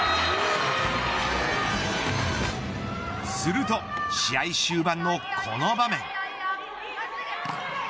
すると、試合終盤のこの場面。